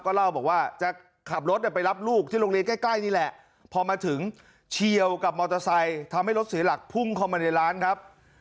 เล่าบอกว่าจะขับรถไปรับลูกที่โรงเรียนใกล้นี่แหละพอมาถึงเฉียวกับมอเตอร์ไซค์ทำให้รถเสียหลักพุ่งเข้ามาในร้านครับ